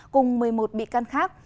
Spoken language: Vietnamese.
cùng một mươi một bị can khác